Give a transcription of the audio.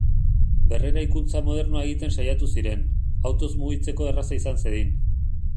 Berreraikuntza modernoa egiten saiatu ziren, autoz mugitzeko erraza izan zedin.